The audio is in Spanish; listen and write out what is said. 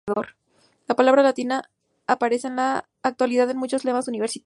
La palabra latina aparece en la actualidad en muchos lemas universitarios.